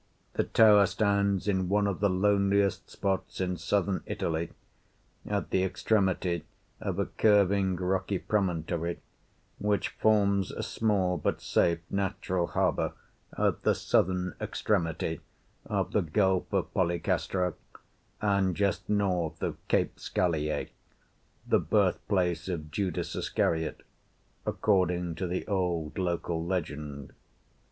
The tower stands in one of the loneliest spots in Southern Italy, at the extremity of a curving rocky promontory, which forms a small but safe natural harbour at the southern extremity of the Gulf of Policastro, and just north of Cape Scalea, the birthplace of Judas Iscariot, according to the old local legend.